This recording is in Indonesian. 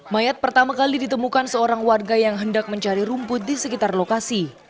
mayat pertama kali ditemukan seorang warga yang hendak mencari rumput di sekitar lokasi